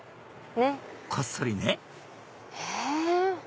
こっそりねえ？